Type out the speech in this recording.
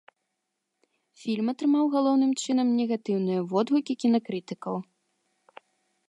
Фільм атрымаў галоўным чынам негатыўныя водгукі кінакрытыкаў.